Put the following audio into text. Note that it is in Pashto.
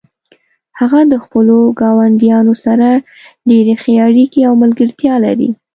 هغه د خپلو ګاونډیانو سره ډیرې ښې اړیکې او ملګرتیا لري